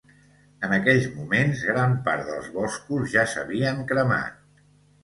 En aquells moments, gran part dels boscos ja s'havien cremat